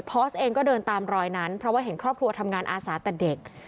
พอสเองก็เดินตามรอยนั้นเพราะว่าเห็นครอบครัวทำงานอาสาแต่เด็ก